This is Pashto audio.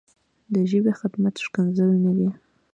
د ژبې خدمت ښکنځل نه دي.